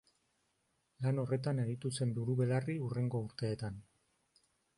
Lan horretan aritu zen buru-belarri hurrengo urteetan.